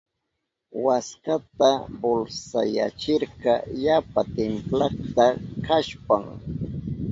Waskata pulsayachirka yapa timplakta kashpan.